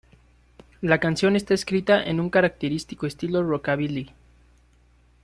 La canción está escrita en un característico estilo rockabilly.